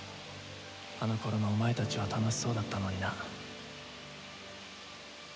あの頃のお前たちは楽しそうだったのにな。